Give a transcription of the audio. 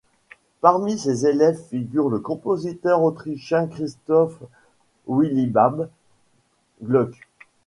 Parmi ses élèves figure le compositeur autrichien Christoph Willibald Gluck.